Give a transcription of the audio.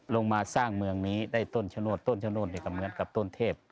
ลงมาสร้างเมืองนี้ได้ต้นชะโนธต้นชะโนธก็เหมือนกับต้นเทพ